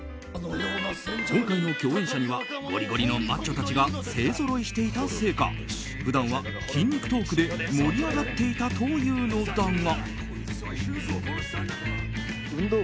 今回の共演者にはゴリゴリのマッチョたちが勢ぞろいしていたせいか普段は筋肉トークで盛り上がっていたというのだが。